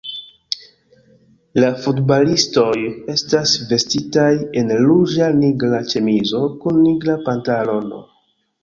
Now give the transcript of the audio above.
La futbalistoj estas vestitaj en ruĝa-nigra ĉemizo kun nigra pantalono.